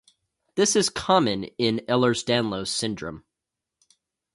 This is common in Ehlers-Danlos Syndrome.